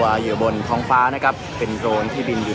การประตูกรมทหารที่สิบเอ็ดเป็นภาพสดขนาดนี้นะครับ